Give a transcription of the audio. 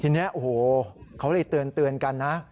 ทีนี้โอ้โหเขาเลยเตือนกันนะ